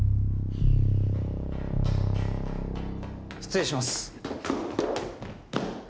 失礼します